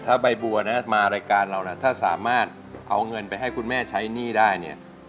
ถ้าใบบัวนะมารายการเรานะถ้าสามารถเอาเงินไปให้คุณแม่ใช้หนี้ได้เนี่ย